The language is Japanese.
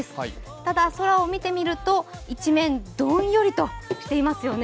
ただ空を見てみると、一面どんよりとしていますよね。